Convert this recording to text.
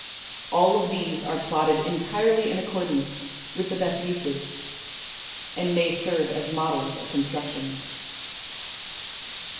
All of these are plotted entirely in accordance with the best usage, and may serve as models of construction.